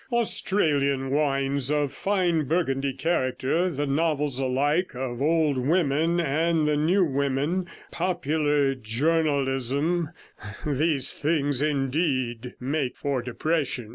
Australian wines of fine Burgundy character, the novels alike of the old women and the new women, popular journalism, these things, indeed, make for depression.